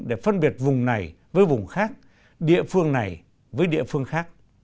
để phân biệt vùng này với vùng khác địa phương này với địa phương khác